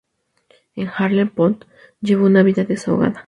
En Haarlem Pot llevó una vida desahogada.